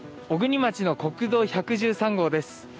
小国町の国道１１３号です。